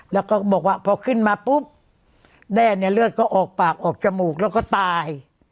แล้วก็บอกว่าพอขึ้นมาปุ๊บแด้เนี่ยเลือดก็ออกปากออกจมูกแล้วก็ตาย